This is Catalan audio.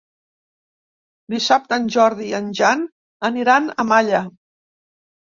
Dissabte en Jordi i en Jan aniran a Malla.